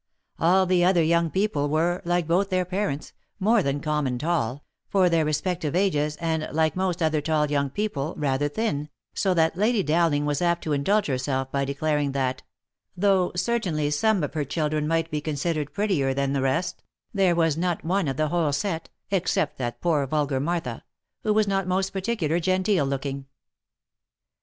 All the other young people were, like both their parents, " more than common tall," for their respective ages, and, like most other tall young people, rather thin, so that Lady Dowling was apt to indulge herself by declaring that, " though certainly some of her children might be considered prettier than the rest, there was not OF MICHAEL ARMSTRONG. 53 one of the whole set (except that poor vulgar Martha), who was not most particular genteel looking."